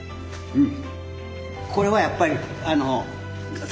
うん。